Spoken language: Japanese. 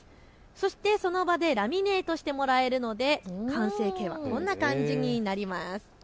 そしてその場でラミネートしてもらえるので完成形はこんな感じになります。